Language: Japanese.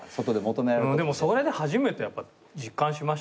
でもそれで初めてやっぱ実感しましたね。